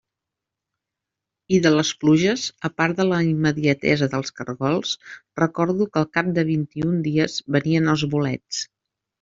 I de les pluges, a part de la immediatesa dels caragols, recordo que al cap de vint-i-un dies venien els bolets.